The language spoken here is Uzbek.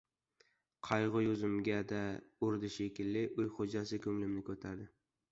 Qayg‘u yuzimga-da urdi shekilli, uy xo‘jasi ko‘nglimni ko‘tardi.